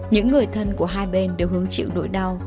những người thân của hai bên đều hứng chịu nỗi đau